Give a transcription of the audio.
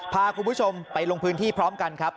พาคุณผู้ชมไปลงพื้นที่พร้อมกันครับ